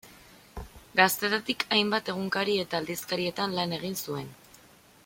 Gaztetatik hainbat egunkari eta aldizkarietan lan egin zuen.